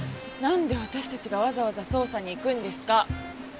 なんで私たちがわざわざ捜査に行くんですか？